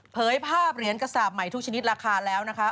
ภาพเหรียญกระสาปใหม่ทุกชนิดราคาแล้วนะคะ